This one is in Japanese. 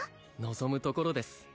望むところです